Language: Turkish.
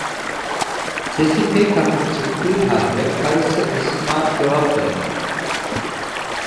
Sesi pek hafif çıktığı halde, karısı Esma cevap verdi: